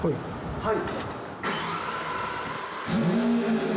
はい。